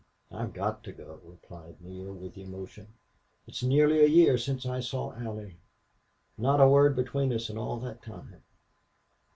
"I've got to go," replied Neale, with emotion. "It's nearly a year since I saw Allie. Not a word between us in all that time!...